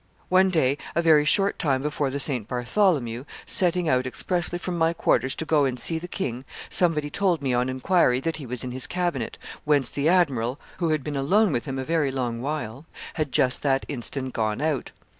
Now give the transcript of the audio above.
One day, a very short time before the St. Bartholomew, setting out expressly from my quarters to go and see the king, somebody told me on inquiry that he was in his cabinet, whence the admiral, who had been alone with him a very long while, had just that instant gone out.